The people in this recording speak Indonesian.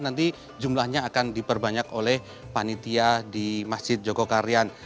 nanti jumlahnya akan diperbanyak oleh panitia di masjid jogokarian